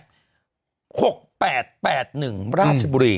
๖๘๘๑ราชบุรี